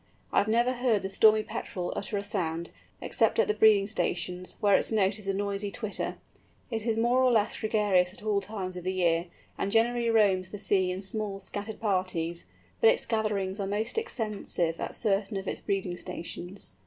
I have never heard the Stormy Petrel utter a sound, except at the breeding stations, where its note is a noisy twitter. It is more or less gregarious at all times of the year, and generally roams the sea in small scattered parties, but its gatherings are most extensive at certain of its breeding stations.